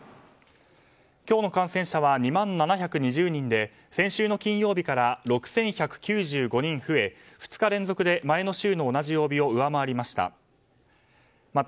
今日の感染者は２万７２０人で先週の金曜日から６１９５人増え２日連続で前の週の同じ曜日を上回りました。